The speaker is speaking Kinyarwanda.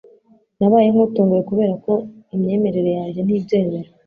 Nabaye nkutunguwe, kuberako imyemerere yanjye ntibyemera